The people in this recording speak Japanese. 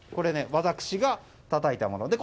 私がたたいたもので。